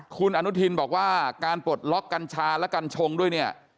คุณอนุทินบอกว่าการปลดล็อกกัญชาและกัญชงด้วยเนี่ย